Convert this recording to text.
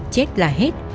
chết là hết